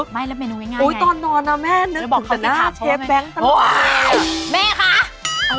ไม่แล้วเมนูง่ายยังไงโอ๊ยตอนนอนน่ะแม่นึกถึงตัวหน้าเชฟแบ๊คทาทาทาโอ๊ย